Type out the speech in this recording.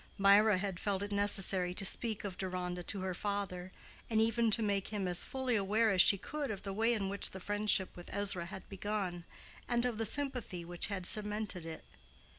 Mirah had felt it necessary to speak of Deronda to her father, and even to make him as fully aware as she could of the way in which the friendship with Ezra had begun, and of the sympathy which had cemented it.